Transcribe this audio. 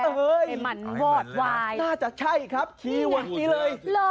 เฮ้ยมันวอดวายน่าจะใช่ครับขี่วันนี้เลย